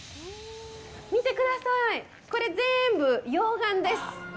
見てください、これ、全部、溶岩です！